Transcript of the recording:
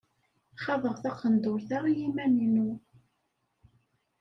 Xaḍeɣ taqendurt-a i yiman-inu.